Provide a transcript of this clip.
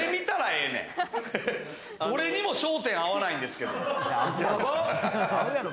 どれにも焦点合わないんですけれど。